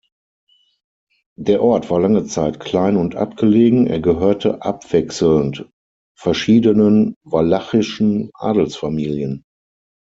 Der Ort war lange Zeit klein und abgelegen; er gehörte abwechselnd verschiedenen walachischen Adelsfamilien.